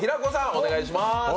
お願いします。